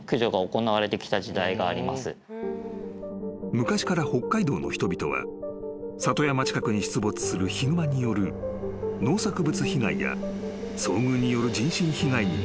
［昔から北海道の人々は里山近くに出没するヒグマによる農作物被害や遭遇による人身被害に悩まされていた］